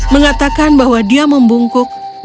mengatakan bahwa dia membungkuk